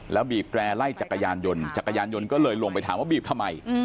แล้วบีบแร่ไล่จักรยานยนต์จักรยานยนต์ก็เลยลงไปถามว่าบีบทำไม